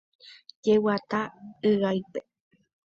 Jeguata yga'ípe.